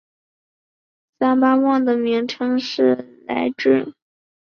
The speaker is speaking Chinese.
三巴旺的名称是来至。